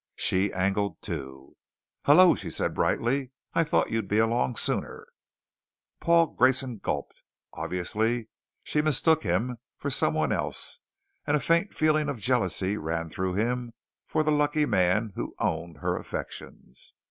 She angled too. "Hello," she said brightly. "I thought you'd be along sooner." Paul Grayson gulped. Obviously she mistook him for someone else and a faint feeling of jealousy ran through him for the lucky man who owned her affections.